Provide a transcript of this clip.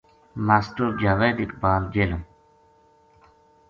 ماسٹر جاوید اقبال جہلم